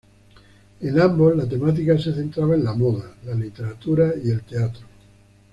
En ambos, la temática se centraba en la moda, la literatura y el teatro.